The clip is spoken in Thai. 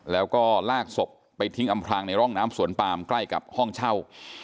แล้วก็ลากศพไปทิ้งอำพลางในร่องน้ำสวนปามใกล้กับห้องเช่า